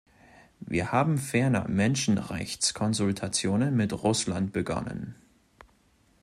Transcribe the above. Wir haben ferner "Menschenrechts"konsultationen mit Russland begonnen.